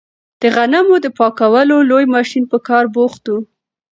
د غنمو د پاکولو لوی ماشین په کار بوخت و.